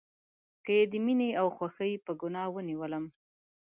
که یې د میینې او خوښۍ په ګناه ونیولم